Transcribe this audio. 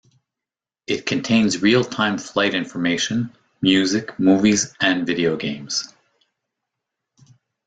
It contains real-time flight information, music, movies and video games.